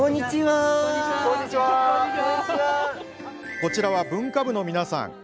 こちらは文化部の皆さん。